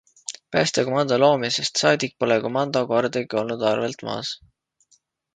Päästekomando loomisest saadik pole komando kordagi olnud arvelt maas.